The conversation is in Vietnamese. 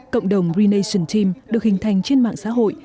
cộng đồng renation team được hình thành trên mạng xã hội